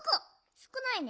すくないね。